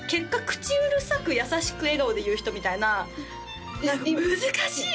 口うるさく優しく笑顔で言う人みたいな何か難しい！